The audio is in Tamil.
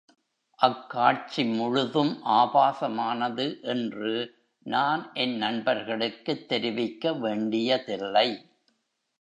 அக்காட்சி முழுதும் ஆபாசமானது என்று நான் என் நண்பர்களுக்குத் தெரிவிக்க வேண்டியதில்லை.